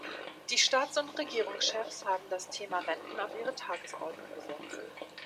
Die Staats- und Regierungschefs haben das Thema Renten auf ihre Tagesordnung gesetzt.